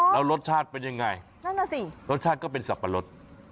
แล้วรสชาติเป็นยังไงรสชาติก็เป็นสับปะรด